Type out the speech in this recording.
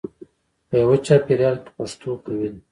په یوه چاپېریال کې پښتو قوي ده.